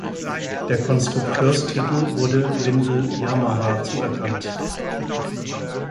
Der Konstrukteurstitel wurde Windle-Yamaha zuerkannt.